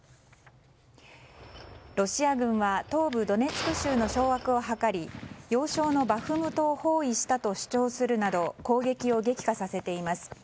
ロシア軍は東部ドネツク州の掌握を図り要衝のバフムトを包囲したと主張するなど攻撃を激化させています。